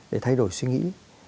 để thay đổi suy nghĩ